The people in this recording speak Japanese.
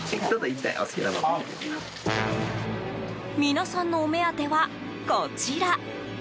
皆さんのお目当ては、こちら。